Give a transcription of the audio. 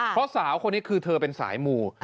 เพราะสาวคนนี้คือเธอเป็นสายมู